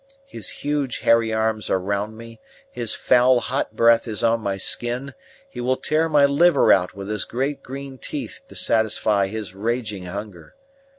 His huge, hairy arms are round me; his foul, hot breath is on my skin; he will tear my liver out with his great green teeth to satisfy his raging hunger.